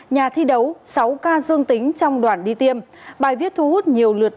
nhà thi đấu sáu ca dương tính trong đoàn đi tiêm bài viết thu hút nhiều lượt